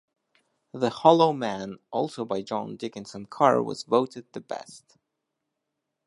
"The Hollow Man" also by John Dickson Carr was voted the best.